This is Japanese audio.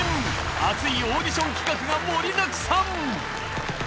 熱いオーディション企画が盛りだくさん。